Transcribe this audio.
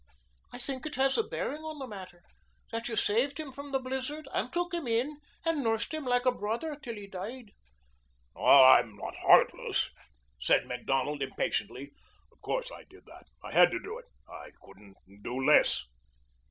"I think it has a bearing on the matter that you saved him from the blizzard and took him in and nursed him like a brother till he died." "I'm not heartless," said Macdonald impatiently. "Of course I did that. I had to do it. I couldn't do less."